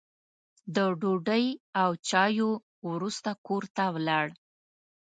د ډوډۍ او چایو وروسته کور ته ولاړ.